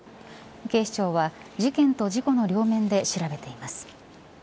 警視庁は事件と事故の両面で調べています。